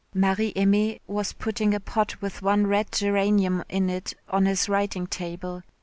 Marie Aimée was putting a pot with one red geranium in it on his writing table.